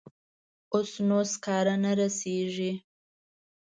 اوس نو سکاره نه رسیږي.